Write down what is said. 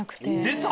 出た！